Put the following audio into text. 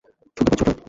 শুনতে পাচ্ছ ওটা?